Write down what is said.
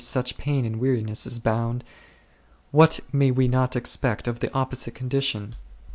such pain and weariness is bound, what may we not expect of the opposite condition?